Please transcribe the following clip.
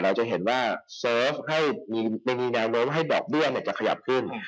เรายาวว่าจะเสิร์ฟได้งานของให้ดอกเบี้ยขยับขึ้น